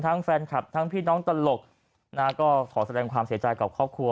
แฟนคลับทั้งพี่น้องตลกนะก็ขอแสดงความเสียใจกับครอบครัว